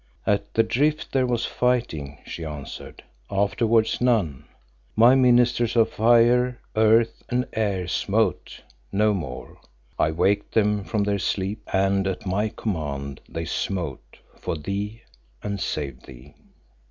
"At the drift there was fighting," she answered, "afterwards none. My ministers of Fire, Earth and Air smote, no more; I waked them from their sleep and at my command they smote for thee and saved thee."